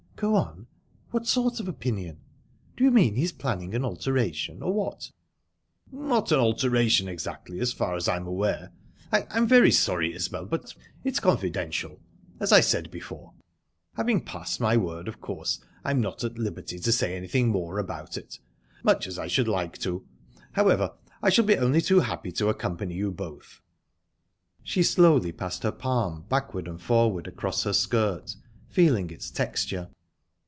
"Go on. What sort of opinion? Do you mean he's planning an alteration, or what?" "Not an alteration exactly, as far as I'm aware...I'm very sorry, Isbel, but it's confidential, as I said before. Having passed my word, of course I'm not at liberty to say anything more about it, much as I should like to...However, I shall be only too happy to accompany you both." She slowly passed her palm backward and forward across her skirt, feeling its texture.